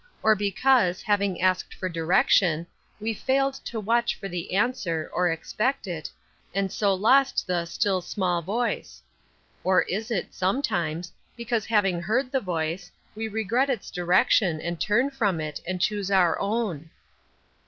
or because, having asked for direction, we failed to watch for the answer, or expect it, and so lost the " still small voice ?" Or is it, sometimes, because having heard the voice, we regret its direction and turn from it, and choose our own